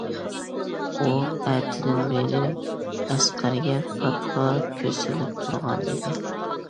ئۇ ئەتىدىن بېرى ئەسقەرگە پات- پات كۆز سېلىپ تۇرغانىدى.